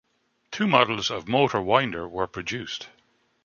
Two models of motor winder were produced.